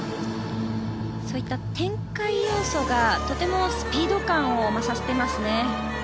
そういった転回要素がとてもスピード感を増させていますね。